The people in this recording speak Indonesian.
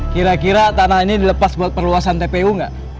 kira kira tanah ini dilepas buat perluasan tpu nggak